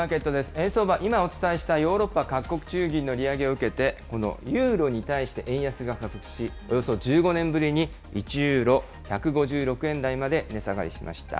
円相場、今お伝えしたヨーロッパ各国中銀の利上げを受けて、このユーロに対して円安が加速し、およそ１５年ぶりに、１ユーロ１５６円台まで値下がりしました。